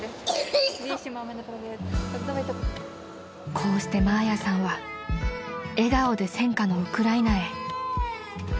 ［こうしてマーヤさんは笑顔で戦火のウクライナへ］